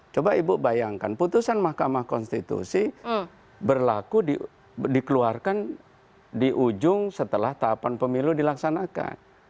coba ibu bayangkan putusan mahkamah konstitusi berlaku dikeluarkan di ujung setelah tahapan pemilu dilaksanakan